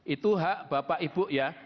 itu hak bapak ibu ya